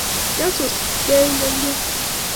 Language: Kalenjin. kiasus gei ng'elyeb